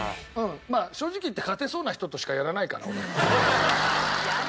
まあ正直言って勝てそうな人としかやらないから俺。